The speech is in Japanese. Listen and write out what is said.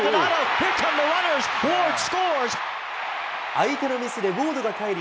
相手のミスでウォードがかえり